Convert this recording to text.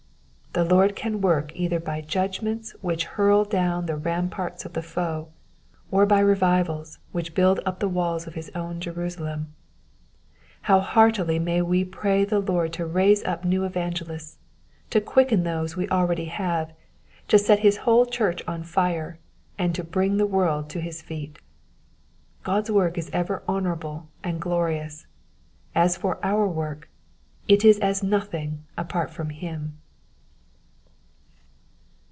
The Lord can work either by judgments which hurl down the ramparts of the foe ; or by revivals which build up the walls of his own Jerusalem. How heartily may we pray the Lord to raise up new evangelists, to (juicken those we already have, to set his whole church on fire, and to bring the world to his feet. God's work is ever honourable and glorious ; as for our work, it is as nothing apart from him.